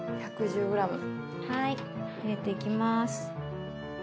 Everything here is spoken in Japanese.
はい入れていきます。